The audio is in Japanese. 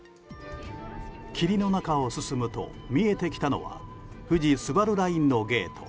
霧の中を進むと見えてきたのは富士スバルラインのゲート。